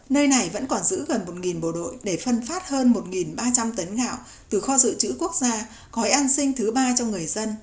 nơi này vẫn còn giữ gần một bộ đội để phân phát hơn một ba trăm linh tấn gạo từ kho dự trữ quốc gia gói an sinh thứ ba cho người dân